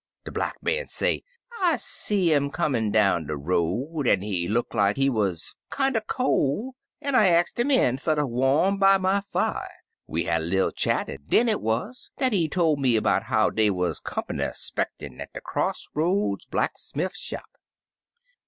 De Black Man say, * I seed 'im comin' down de road, an' he look like he wuz kinder col', an' I axed 'im in fer ter warai by my fier. We had a little chat, an' den it wuz dat he tol' me 'bout how dey wuz comp'ny 'spect ed at de cross ioads blacksmiff shop.'